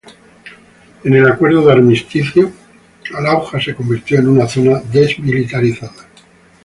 En el acuerdo de armisticio, al-Auja se convirtió en una zona desmilitarizada.